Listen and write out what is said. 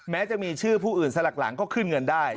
แม้จะมีชื่อผู้อื่นสลักหลังก็ขึ้นเงินได้